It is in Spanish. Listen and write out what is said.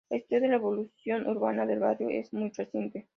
La historia de la evolución urbana del barrio es muy reciente.